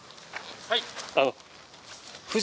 はい。